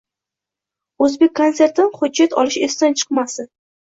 O‘zbekkonsertdan hujjat olish esdan chiqmasin.